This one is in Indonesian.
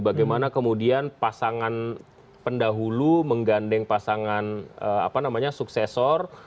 bagaimana kemudian pasangan pendahulu menggandeng pasangan suksesor